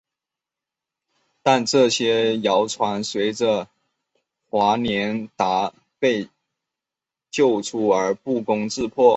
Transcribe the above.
但这些谣传随着华年达被救出而不攻自破。